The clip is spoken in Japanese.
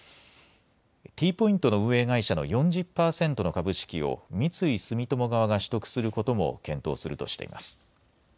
Ｔポイントの運営会社の４０％の株式を三井住友側が取得することも検討するとしています。